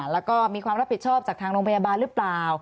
แล้วก็มีความรับผิดชอบจากทางโรงพยาบาลหรือเปล่า